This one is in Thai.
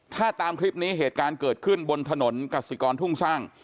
ถ้าตามคลิปนี้เหตุการณ์เกิดขึ้นบนถนนกสิกรทุ่งสร้าง